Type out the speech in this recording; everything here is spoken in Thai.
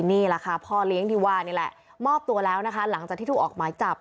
นี่แหละค่ะพ่อเลี้ยงที่ว่านี่แหละมอบตัวแล้วนะคะหลังจากที่ถูกออกหมายจับ